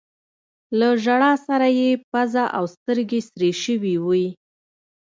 له ژړا سره يې پزه او سترګې سرې شوي وې.